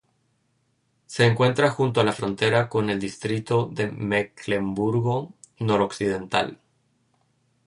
Se encuentra junto a la frontera con el distrito de Mecklemburgo Noroccidental.